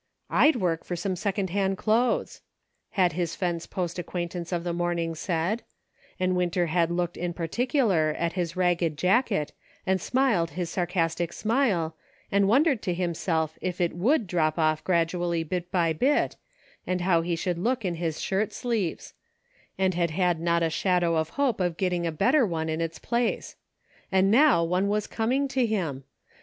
" I'd work for some second hand clothes," had his fence post acquaintance of the morning said ; and Winter had looked in partic ular at his ragged jacket and smiled his sarcastic smile, and wondered to himself if it would drop off gradually bit by bit, and how he should look in his shirt sleeves ; and had had not a shadow of hope of getting a better one in its place ; and now one was coming to him.